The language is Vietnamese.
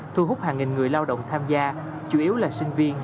thu hút hàng nghìn người lao động tham gia chủ yếu là sinh viên